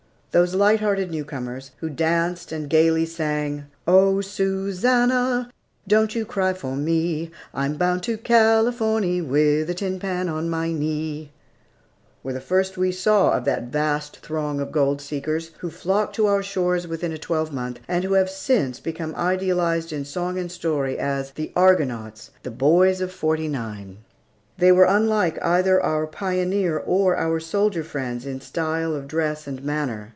Those light hearted newcomers, who danced and gayly sang, O Susannah, don't you cry for me! I'm bound to Californy with a tin pan on my knee, were the first we saw of that vast throng of gold seekers, who flocked to our shores within a twelvemonth, and who have since become idealized in song and story as the "Argonauts," "the Boys of '49." They were unlike either our pioneer or our soldier friends in style of dress and manner.